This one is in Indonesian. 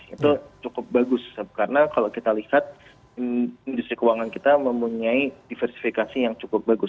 itu cukup bagus karena kalau kita lihat industri keuangan kita mempunyai diversifikasi yang cukup bagus